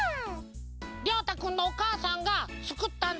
りょうたくんのおかあさんがつくったんだって！